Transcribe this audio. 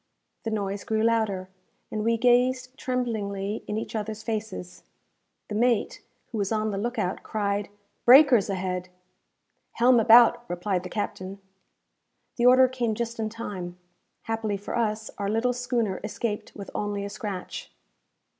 The noise grew louder, and we gazed tremblingly in each others faces. The mate, who was on the look out, cried "Breakers ahead!" "Helm about!" replied the captain. The order came just in time. Happily for us, our little schooner escaped with only a scratch.